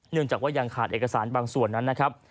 จากว่ายังขาดเอกสารบางส่วนนั้นนะครับ